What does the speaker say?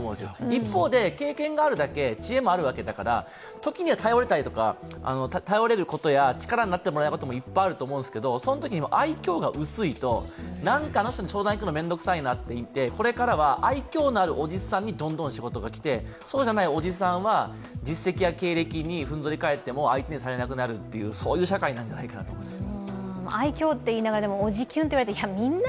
一方で経験があるだけ知恵もあるわけだから、時には頼れたり、頼れることや力になってもらえることもいっぱいあると思うんですけどそのときにも愛きょうが薄いとなんかあの人に相談にいくの面倒くさいなとなって、これからは愛きょうのあるおじさんにどんどん仕事が来て、そうじゃないおじさんは実績や経歴にふんぞり返って相手にされなくなるという社会になるんじゃないかなと思います。